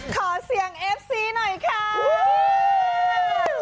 ขอเสียงเอฟซีหน่อยค่ะ